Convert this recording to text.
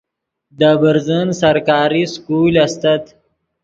دے برزن سرکاری سکول استت